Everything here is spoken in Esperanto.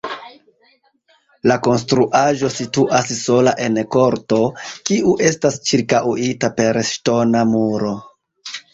La konstruaĵo situas sola en korto, kiu estas ĉirkaŭita per ŝtona muro.